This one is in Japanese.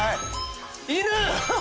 犬！